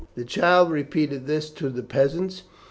The child repeated this to the peasants.